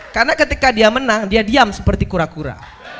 karena ketika dia menang dia diam seperti kura kura